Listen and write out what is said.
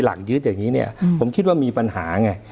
หลักยืดอย่างนี้ผมคิดว่ามีปัญหา